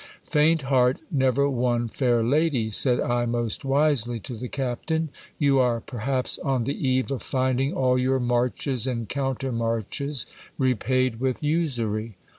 Faint heart never won fair lady, said I most wisely to the captain ; you are perhaps on the eve of finding all your marches and countermarches repaid with usury.